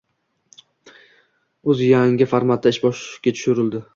uz yangi formatda ishga tushirildi